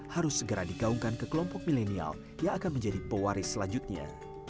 harus segera digaungkan ke kelompok milenial yang akan menjadi pewaris selanjutnya